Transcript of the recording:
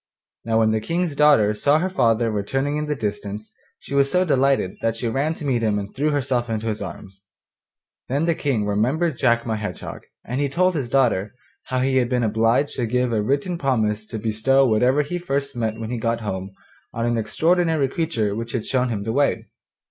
Now when the King's daughter saw her father returning in the distance she was so delighted that she ran to meet him and threw herself into his arms. Then the King remembered Jack my Hedgehog, and he told his daughter how he had been obliged to give a written promise to bestow whatever he first met when he got home on an extraordinary creature which had shown him the way.